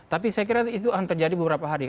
tapi saya kira itu akan terjadi beberapa hari